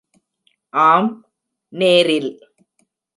ஆம், நேரில்.